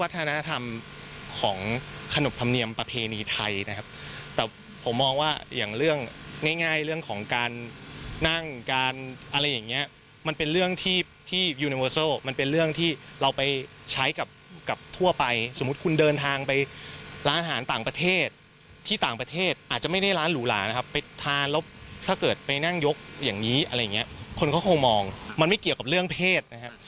ถ้าเกิดไปนั่งยกอย่างนี้อะไรอย่างนี้คนก็คงมองมันไม่เกี่ยวกับเรื่องเพศนะครับ